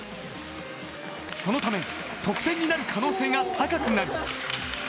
そのため、得点になる可能性が高くなる。